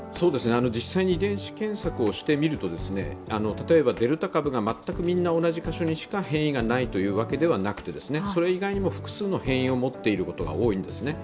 実際に遺伝子検索をしてみると、例えばデルタ株が全く同じ箇所にしか変異がないというわけではなくて、それ以外にも複数の変異を持っていることが多いんですね。